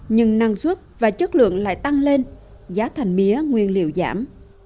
nhưng năng suất và chất lượng lại tăng lên giá thành mía nguyên liệu giảm